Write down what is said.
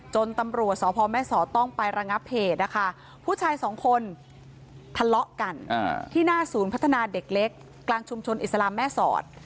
ตำรวจสพแม่สอดต้องไประงับเหตุนะคะผู้ชายสองคนทะเลาะกันที่หน้าศูนย์พัฒนาเด็กเล็กกลางชุมชนอิสลามแม่สอด